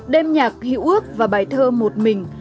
đêm nhạc hữu ước và bài thơ một mình